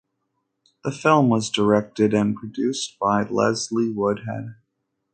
The film was directed and produced by Leslie Woodhead.